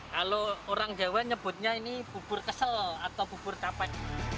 kalau orang jawa nyebutnya ini bubur kesel atau bubur tapan